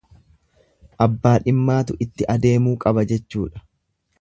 Abbaa dhimmaatu itti adeemuu qaba jechuudha.